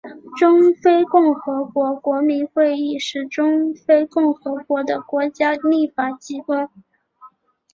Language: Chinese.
中非共和国国民议会是中非共和国的国家立法机关。